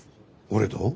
俺と？